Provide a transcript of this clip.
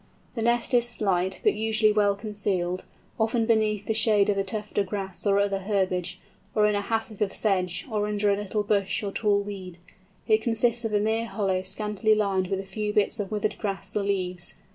The nest is slight, but usually well concealed, often beneath the shade of a tuft of grass or other herbage, or in a hassock of sedge or under a little bush or tall weed. It consists of a mere hollow scantily lined with a few bits of withered grass or leaves.